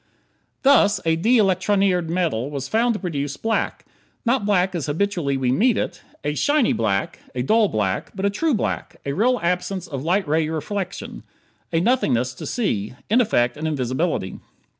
Thus, a de electronired metal was found to produce black. Not black as habitually we meet it a "shiny" black, a "dull" black; but a true black a real absence of light ray reflection a "nothingness to see"; in effect, an invisibility.